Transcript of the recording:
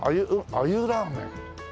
「鮎ラーメン」。